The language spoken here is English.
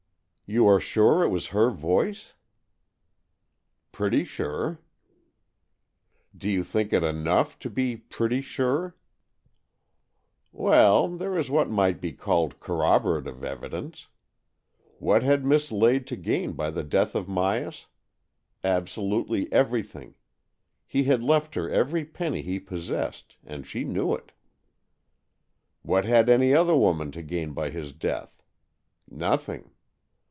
'' You are sure it was her voice ?"" Pretty sure." ''Do you think it enough to be pretty sure ?"" Well, there is what might be called cor roborative evidence. What had Miss Lade to gain by the death of Myas? Absolutely everything— he had left her every penny he possessed, and she knew it. What had any other woman to gain by his death? Nothing.